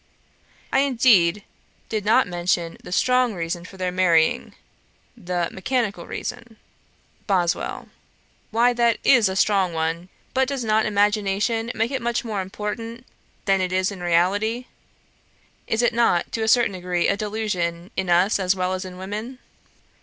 I indeed did not mention the strong reason for their marrying the mechanical reason.' BOSWELL. 'Why that is a strong one. But does not imagination make it much more important than it is in reality? Is it not, to a certain degree, a delusion in us as well as in women?'